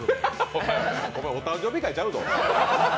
お前、お誕生日会ちゃうぞ？